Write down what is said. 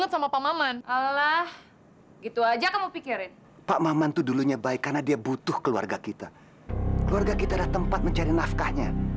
sampai jumpa di video selanjutnya